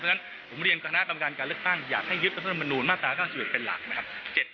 เพราะฉะนั้นผมเรียนคณะกรรมการการเลือกตั้งอยากให้ยึดรัฐธรรมนูลมาตรา๙๑เป็นหลักนะครับ